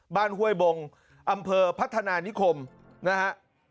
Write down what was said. ห้วยบงอำเภอพัฒนานิคมนะฮะ